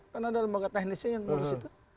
kan ada lembaga teknisnya yang ngurus itu